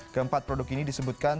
keempat produk ini disebutkan